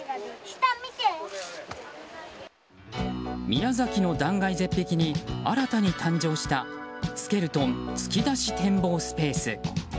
宮崎の断崖絶壁に新たに誕生したスケルトン展望スペース。